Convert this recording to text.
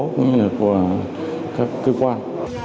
cũng như là của các cơ quan